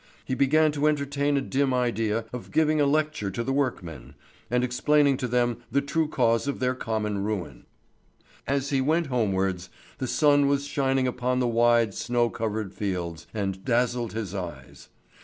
He began to entertain a dim idea of giving a lecture to the workmen, and explaining to them the true cause of their common ruin. As he went homewards, the sun was shining upon the wide, snow covered fields, and dazzled his eyes.